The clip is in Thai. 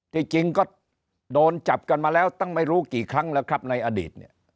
จริงก็โดนจับกันมาแล้วตั้งไม่รู้กี่ครั้งแล้วครับในอดีตเนี่ย